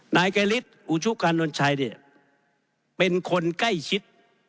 นายไกรฤทธิอุชุกานนชัยเนี่ยเป็นคนใกล้ชิด